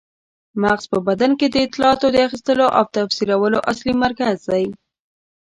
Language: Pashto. مغز په بدن کې د اطلاعاتو د اخیستلو او تفسیرولو اصلي مرکز دی.